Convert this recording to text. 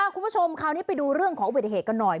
คุณผู้ชมคราวนี้ไปดูเรื่องของอุบัติเหตุกันหน่อย